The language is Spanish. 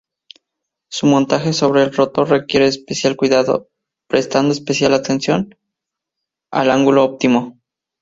Su montaje sobre el rotor requiere especial cuidado, prestando especial atención al ángulo óptimo.